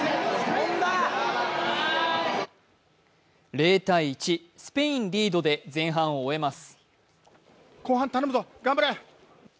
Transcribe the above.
０−１、スペインリードで前半を終わります。